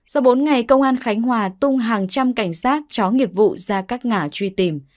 sau bốn ngày công an khánh hòa tung hàng trăm cảnh sát chó nghiệp vụ ra các ngã truy tìm